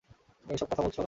তুমি এসব কথা বলছো?